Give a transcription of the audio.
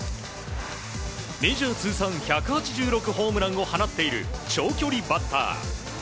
メジャー通算１８６ホームランを放っている長距離バッター。